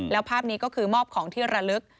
แล้วภาพนี้ก็คือมอบของที่ระลึก